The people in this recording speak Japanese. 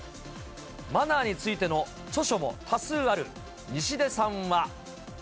マナーについての著書も多数ある西出さんは。